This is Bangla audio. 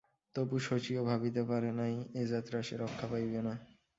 তবু, শশীও ভাবিতে পারে নাই এ যাত্রা সে রক্ষা পাইবে না।